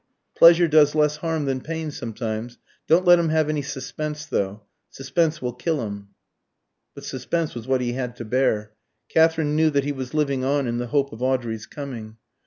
Pleasure does less harm than pain, sometimes. Don't let him have any suspense, though. Suspense will kill him." But suspense was what he had to bear. Katherine knew that he was living on in the hope of Audrey's coming.